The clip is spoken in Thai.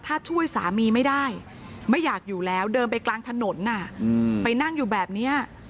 ถ้าช่วยสามีไม่ได้ไม่อยากอยู่แล้วเดินไปกลางถนนไปนั่งอยู่แบบนี้